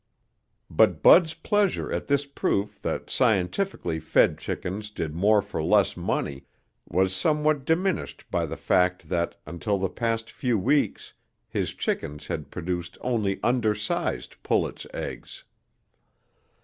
But Bud's pleasure at this proof that scientifically fed chickens did more for less money was somewhat diminished by the fact that until the past few weeks his chickens had produced only undersized pullets' eggs.